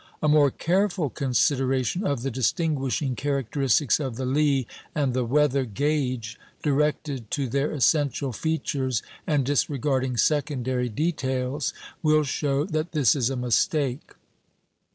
A more careful consideration of the distinguishing characteristics of the lee and the weather "gage," directed to their essential features and disregarding secondary details, will show that this is a mistake.